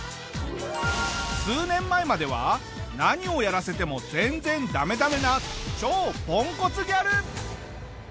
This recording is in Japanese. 数年前までは何をやらせても全然ダメダメな超ポンコツギャル！